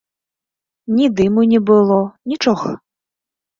Ні дыму не было, нічога.